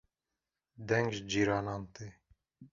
deng ji cîranan tê